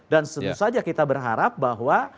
dan seterusnya kita berharap bahwa